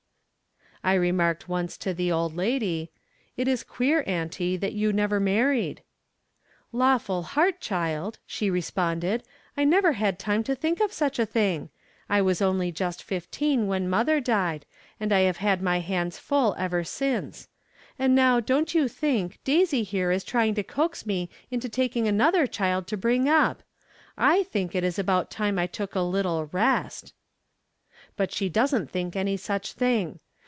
I remarked once to the old lady :" It is queer, Auntie, that you never married." " Lawful heart, child," she responded, " I never had time to think of such a thing ! I was only just fifteen when mother died, and I have had my hands full ever since. And now don't you think Daisy here is trying to coax me into taking another child to bring up ! I think it is about time I took a little rest." But she doesn't think any such thing.